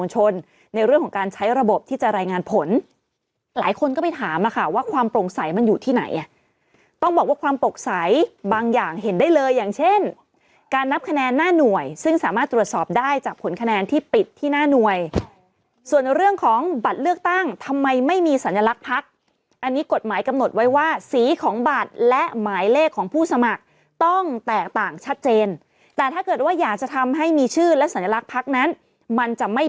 หรือบางอย่างเห็นได้เลยอย่างเช่นการนับคะแนนหน้าหน่วยซึ่งสามารถตรวจสอบได้จากผลคะแนนที่ปิดที่หน้าหน่วยส่วนเรื่องของบัตรเลือกตั้งทำไมไม่มีสัญลักษณ์พักอันนี้กฎหมายกำหนดไว้ว่าสีของบาทและหมายเลขของผู้สมัครต้องแตกต่างชัดเจนแต่ถ้าเกิดว่าอยากจะทำให้มีชื่อและสัญลักษณ์พักนั้นมันจะไม่